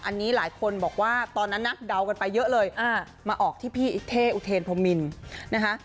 อันนี้หลายคนบอกว่าตอนนั้นนะเดากันไปเยอะเลยมาออกที่พี่เท่อุเทนพรมินนะคะ